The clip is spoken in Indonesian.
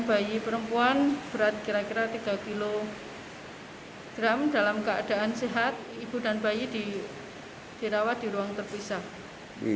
bayi perempuan berat kira kira tiga kg dalam keadaan sehat ibu dan bayi dirawat di ruang terpisah di